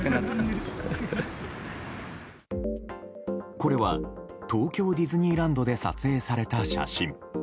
これは東京ディズニーランドで撮影された写真。